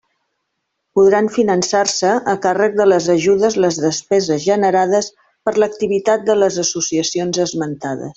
Podran finançar-se a càrrec de les ajudes les despeses generades per l'activitat de les associacions esmentades.